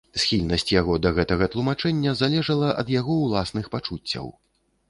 Схільнасць яго да гэтага тлумачэння залежала ад яго ўласных пачуццяў.